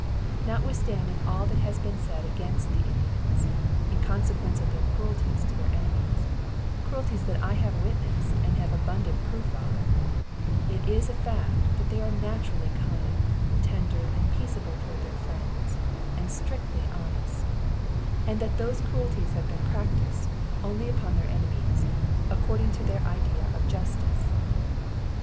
Notwithstanding all that has been said against the Indians, in consequence of their cruelties to their enemies cruelties that I have witnessed, and had abundant proof of it is a fact that they are naturally kind, tender and peaceable towards their friends, and strictly honest; and that those cruelties have been practised, only upon their enemies, according to their idea of justice.